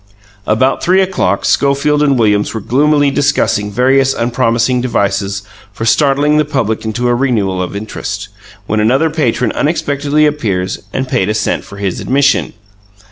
About three o'clock Schofield and Williams were gloomily discussing various unpromising devices for startling the public into a renewal of interest, when another patron unexpectedly appeared and paid a cent for his admission.